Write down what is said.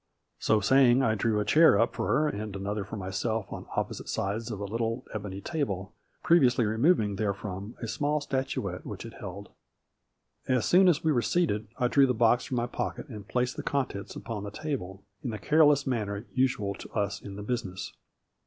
So saying, I drew a chair up for her and an other for myself on opposite sides of a little 14 A FLURRY IN DIAMONDS. ebony table, previously removing therefrom a small statuette which it held. As soon as we were seated I drew the box from my pocket and placed the contents upon the table, in the careless manner usual to us in the business.